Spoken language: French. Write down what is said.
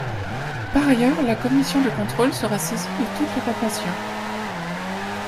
Par ailleurs, la commission de contrôle sera saisie de toutes les radiations.